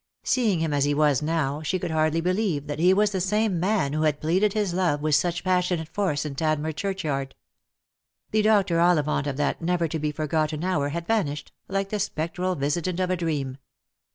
Seeing him as he was now, she could hardly believe that he was the same man who had pleaded his love with such passionate force in Tadmor churchyard. The Dr. Ollivant of that never to be forgotten hour had vanished, like the spectral visitant of a dream